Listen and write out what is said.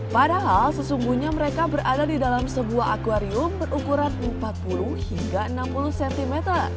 padahal sesungguhnya mereka berada di dalam sebuah akwarium berukuran empat puluh hingga enam puluh cm